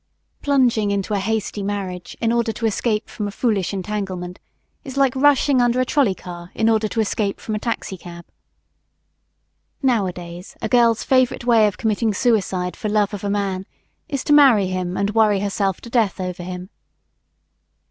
Plunging into a hasty marriage in order to escape from a foolish entanglement is like rushing under a trolley car in order to escape from a taxicab. Nowadays a girl's favorite way of committing suicide for love of a man, is to marry him and worry herself to death over him.